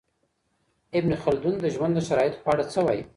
ابن خلدون د ژوند د شرایطو په اړه څه وايي؟